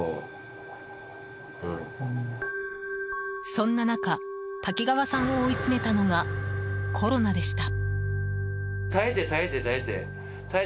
そんな中、滝川さんを追いつめたのがコロナでした。